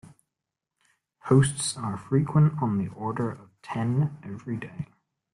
Posts are frequent - on the order of ten every day.